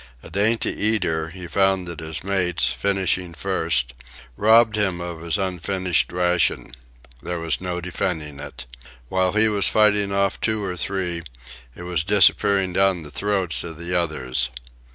A dainty eater, he found that his mates, finishing first, robbed him of his unfinished ration. There was no defending it. While he was fighting off two or three, it was disappearing down the throats of the others.